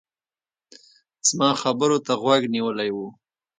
زما خبرو ته غوږ نيولی و.